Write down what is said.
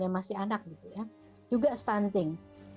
yang masih anak juga stunting